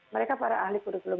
mereka para ahli kurikulum